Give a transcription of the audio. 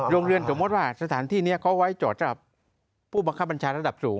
โรงเรียนสมมุติว่าสถานที่นี้เขาไว้จอดสำหรับผู้บังคับบัญชาระดับสูง